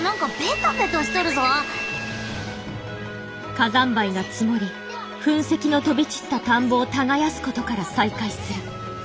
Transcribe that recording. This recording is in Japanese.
火山灰が積もり噴石の飛び散った田んぼを耕すことから再開する。